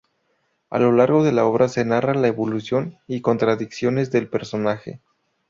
A lo largo de la obra se narra la evolución y contradicciones del personaje.